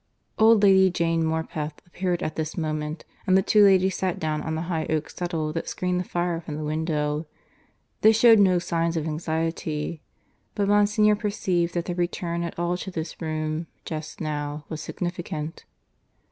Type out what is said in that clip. Old Lady Jane Morpeth appeared at this moment, and the two ladies sat down on the high oak settle that screened the fire from the window. They showed no signs of anxiety; but Monsignor perceived that their return at all to this room just now was significant.